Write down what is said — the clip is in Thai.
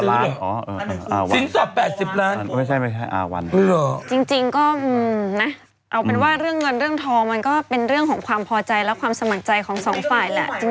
สินสับ๘๐ล้านจริงก็นะเอาเป็นว่าเรื่องเงินเรื่องทองมันก็เป็นเรื่องของความพอใจและความสมัครใจของสองฝ่ายแหละ